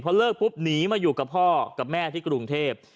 เลิกปุ๊บหนีมาอยู่กับพ่อกับแม่ที่กรุงเทพ